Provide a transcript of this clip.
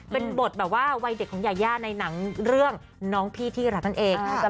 เป็นบทวัยเด็กของญาติในนังเรื่องน้องพี่ที่รัฐนักเอง